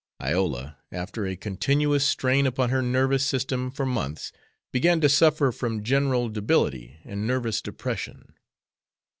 Iola, after a continuous strain upon her nervous system for months, began to suffer from general debility and nervous depression.